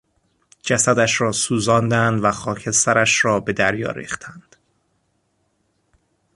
جسدش را سوزاندند و خاکسترش را به دریا ریختند.